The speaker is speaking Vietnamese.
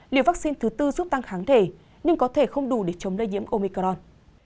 liệu vắc xin thứ tư giúp tăng kháng thể nhưng có thể không đủ để chống lây nhiễm omicron